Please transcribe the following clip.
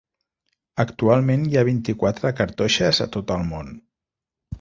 Actualment hi ha vint-i-quatre cartoixes a tot el món.